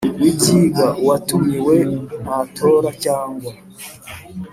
w ibyigwa Uwatumiwe ntatora cyangwa